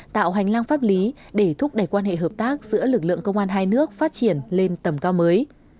tạo hành lang pháp lý để thúc đẩy quan hệ hợp tác giữa lực lượng công an hai nước phát triển lên tầm cao mới